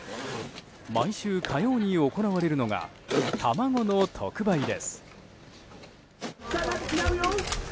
毎週火曜に行われるのが卵の特売です。